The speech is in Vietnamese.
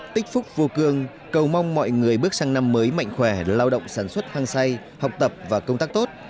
tích phúc vô cương cầu mong mọi người bước sang năm mới mạnh khỏe lao động sản xuất hăng say học tập và công tác tốt